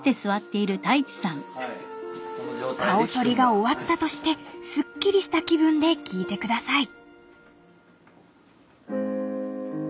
［顔そりが終わったとしてすっきりした気分で聴いてください］